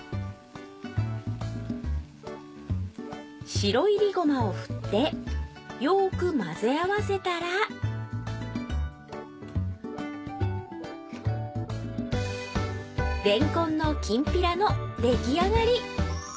白いりごまを振ってよく混ぜ合わせたられんこんのきんぴらの出来上がり。